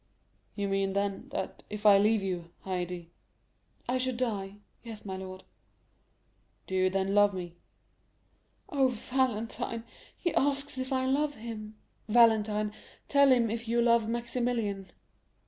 "You mean, then, that if I leave you, Haydée——" "I should die; yes, my lord." "Do you then love me?" "Oh, Valentine, he asks if I love him. Valentine, tell him if you love Maximilian."